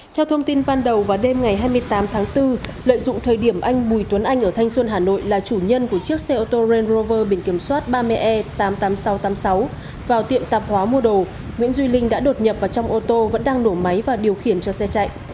theo thông tin ban đầu vào đêm ngày hai mươi tám tháng bốn lợi dụng thời điểm anh bùi tuấn anh ở thanh xuân hà nội là chủ nhân của chiếc xe ô tô ran rover biển kiểm soát ba mươi e tám mươi tám nghìn sáu trăm tám mươi sáu vào tiệm tạp hóa mua đồ nguyễn duy linh đã đột nhập vào trong ô tô vẫn đang đổ máy và điều khiển cho xe chạy